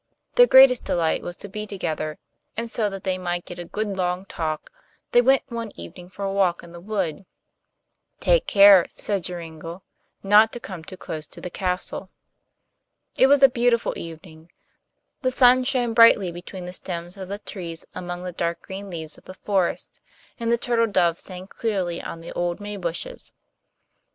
Their greatest delight was to be together, and so that they might get a good long talk, they went one evening for a walk in the wood. 'Take care,' said Joringel, 'not to come too close to the castle.' It was a beautiful evening; the sun shone brightly between the stems of the trees among the dark green leaves of the forest, and the turtle dove sang clearly on the old maybushes.